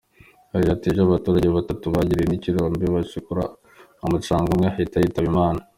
Yagize ati “ Ejo abaturage batatu bagwiriwe n’ikirombe bacukura umucanga, umwe ahita yitaba Imana.